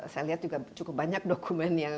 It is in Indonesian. saya lihat juga cukup banyak dokumen yang